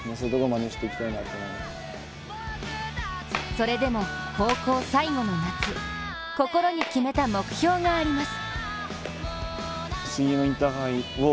それでも、高校最後の夏、心に決めた目標があります。